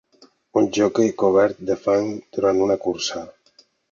Un joquei cobert de fang durant una cursa